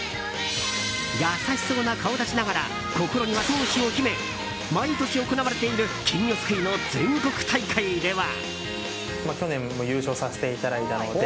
優しそうな顔立ちながら心には闘志を秘め毎年行われている金魚すくいの全国大会では。